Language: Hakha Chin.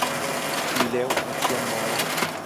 Ti leuh na thiam maw?